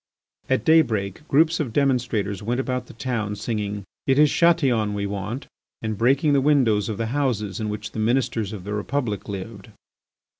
At daybreak groups of demonstrators went about the town singing, "It is Chatillon we want," and breaking the windows of the houses in which the Ministers of the Republic lived.